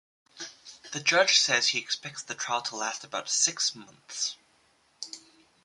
The judge said he expects the trial to last about six months.